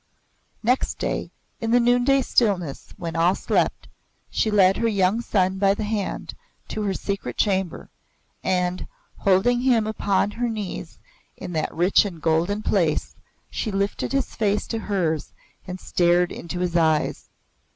Next day, in the noonday stillness when all slept, she led her young son by the hand to her secret chamber, and, holding him upon her knees in that rich and golden place, she lifted his face to hers and stared into his eyes.